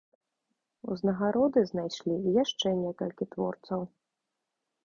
Узнагароды знайшлі і яшчэ некалькі творцаў.